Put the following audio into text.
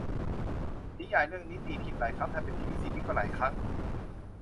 นิยายเรื่องนี้ตีพิมพ์หลายครั้ง ทำเป็นทีวีซีรี่ส์ก็หลายครั้ง